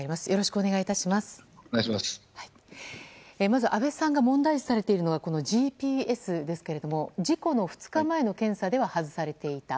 まず、安倍さんが問題視されているのがＧＰＳですが事故の２日前の検査では外されていた。